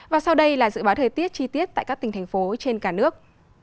và sau đây là dự báo thời tiết chi tiết tại các tỉnh thành phố trên cả nước